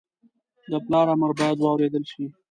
د پلار امر باید واورېدل شي